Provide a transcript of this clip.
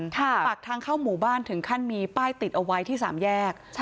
ปากทางเข้าหมู่บ้านถึงขั้นมีป้ายติดเอาไว้ที่สามแยก